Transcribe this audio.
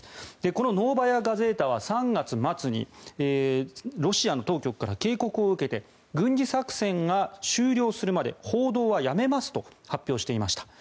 このノーバヤ・ガゼータは３月末にロシアの当局から警告を受けて軍事作戦が終了するまで報道はやめますと発表していました。